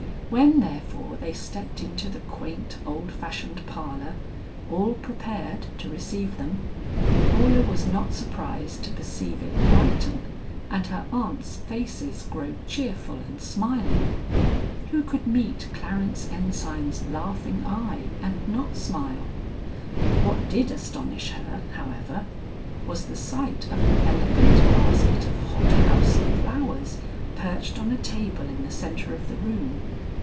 When therefore they stepped into the quaint old fashioned parlor, all prepared to receive them, Paula was not surprised to perceive it brighten, and her aunts' faces grow cheerful and smiling. Who could meet Clarence Ensign's laughing eye and not smile? What did astonish her, however, was the sight of an elegant basket of hot house lowers perched on a table in the centre of the room.